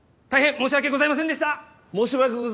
申し訳ございませんでした！